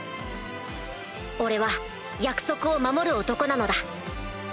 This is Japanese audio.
俺は約束を守る男なのだ。